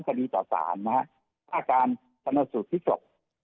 คดีต่อสารมั้ยฮะถ้าการธนสูตรภิกษกษกษ์